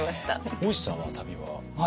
大石さんは旅は？